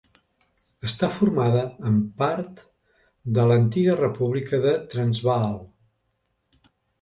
Està formada amb part de l'antiga República de Transvaal.